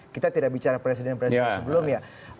kita tidak bicara presiden presiden sebelum ya